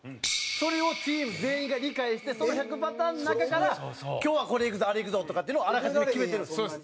それを、チーム全員が理解してその１００パターンの中から今日は、これいくぞ、あれいくぞとかっていうのをあらかじめ決めてるんですよ。